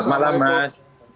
selamat malam mas